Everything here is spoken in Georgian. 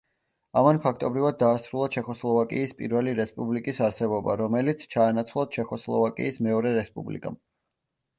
ამან ფაქტობრივად დაასრულა ჩეხოსლოვაკიის პირველი რესპუბლიკის არსებობა, რომელიც ჩაანაცვლა ჩეხოსლოვაკიის მეორე რესპუბლიკამ.